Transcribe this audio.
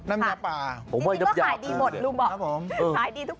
น้ำยาป่าจริงก็ขายดีหมดลุงบอกขายดีทุกเมนู